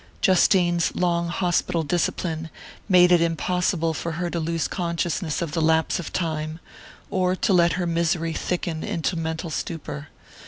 Justine's long hospital discipline made it impossible for her to lose consciousness of the lapse of time, or to let her misery thicken into mental stupor.